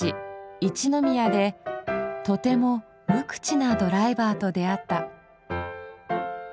一宮でとても無口なドライバーと出会った。